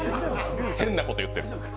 変なこと言ってる。